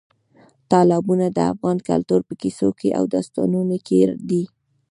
تالابونه د افغان کلتور په کیسو او داستانونو کې دي.